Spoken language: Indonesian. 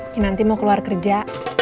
kinanti mau keluar kerja